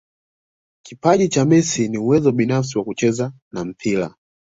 kipaji cha Messi na uwezo binafsi wa kucheza na mpira